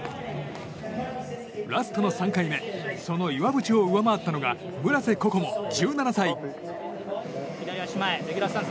ラストの３回目その岩渕を上回ったのが村瀬心椛、１７歳。